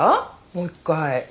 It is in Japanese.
もう一回。